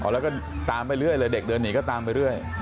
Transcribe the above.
แล้วก็ตามไปเรื่อยเลยเด็กเดินหนีก็ตามไปเรื่อย